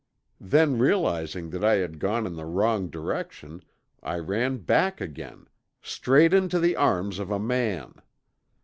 Then realizing that I had gone in the wrong direction, I ran back again straight into the arms of a man!